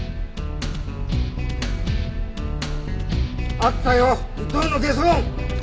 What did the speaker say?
あったよ伊藤のゲソ痕！